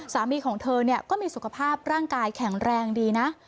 สามีของเธอเนี่ยก็มีสุขภาพร่างกายแข็งแรงดีนะ